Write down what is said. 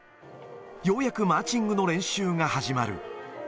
ようやくマーチングの練習が始まる。